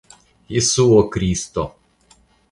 Jesuo Kristo!